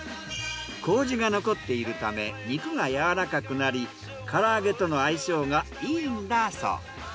麹が残っているため肉がやわらかくなり唐揚げとの相性がいいんだそう。